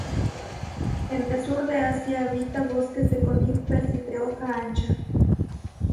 En el sur de Asia habita bosques de coníferas y de hoja ancha.